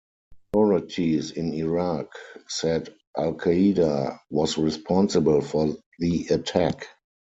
Authorities in Iraq said Al Qaeda was responsible for the attack.